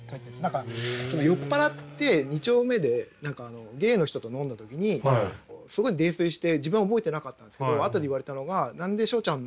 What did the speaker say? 何か酔っ払って二丁目でゲイの人と飲んだ時にすごい泥酔して自分は覚えてなかったんですけどあとで言われたのが「何でしょうちゃん